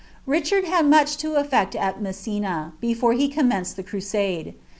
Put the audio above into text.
Richard had much to effect at Messina, before he commenced the cru ide.